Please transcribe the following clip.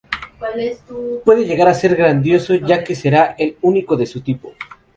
Puede llegar a ser grandioso, ya que será el único de su tipo.